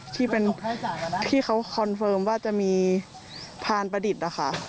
ที่เป็นที่เขาคอนเฟิร์มว่าจะมีพานประดิษฐ์นะคะ